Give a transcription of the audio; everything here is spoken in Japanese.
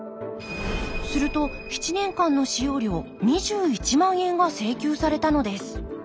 すると７年間の使用料２１万円が請求されたのです